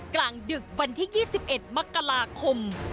กลางดึกวันที่๒๑มกราคม